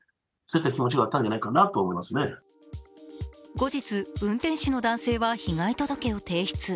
後日、運転手の男性は被害届を提出。